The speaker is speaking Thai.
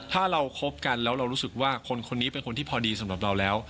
ถ้าเราคบกันแล้วเรารู้สึกว่าคนนี้เป็นคนที่พอดีสำหรับเราแล้ว